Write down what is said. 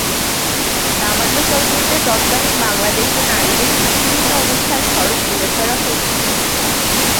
প্রামাণ্য চলচ্চিত্রে তৎকালীন বাংলাদেশে নারীদের নিপীড়িত অবস্থার স্বরূপ তুলে ধরা হয়েছে।